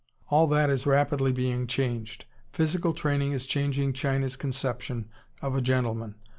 All that is rapidly being changed. Physical training is changing China's conception of a gentleman.